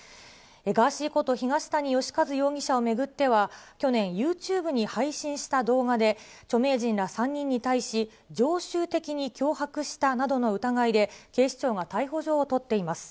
ガーシーこと東谷義和容疑者を巡っては、去年、ユーチューブに配信した動画で、著名人ら３人に対し、常習的に脅迫したなどの疑いで、警視庁が逮捕状を取っています。